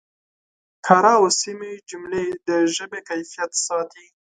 کره او سمې جملې د ژبې کیفیت ساتي.